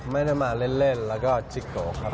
ไม่ได้มาเล่นแล้วก็จิโกครับ